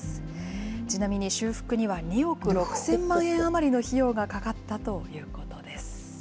ちなみに修復には２億６０００万円余りの費用がかかったということです。